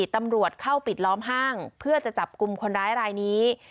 ตำรวจเข้าปิดล้อมห้างเพื่อจะจับกลุ่มคนร้ายรายนี้